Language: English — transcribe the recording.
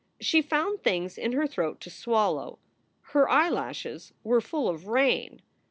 She found things in her throat to swallow. Her eyelashes were full of rain.